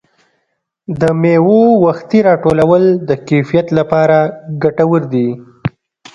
د مېوو وختي راټولول د کیفیت لپاره ګټور دي.